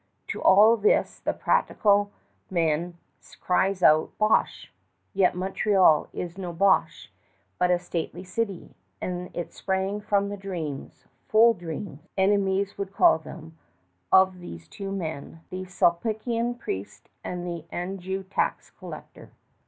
To all this the practical man cries out "Bosh"! Yet Montreal is no bosh, but a stately city, and it sprang from the dreams "fool dreams," enemies would call them of these two men, the Sulpician priest and the Anjou tax collector.